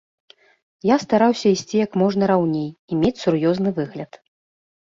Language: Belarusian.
Я стараўся ісці як можна раўней і мець сур'ёзны выгляд.